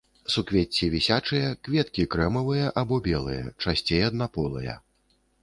Суквецці вісячыя, кветкі крэмавыя або белыя, часцей аднаполыя.